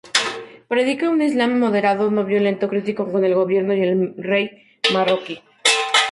Predica un Islam moderado no violento, crítico con el gobierno y el rey marroquí.